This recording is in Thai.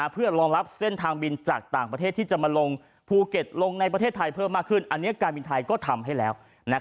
เพื่อรองรับเส้นทางบินจากต่างประเทศที่จะมาลงภูเก็ตลงในประเทศไทยเพิ่มมากขึ้นอันนี้การบินไทยก็ทำให้แล้ว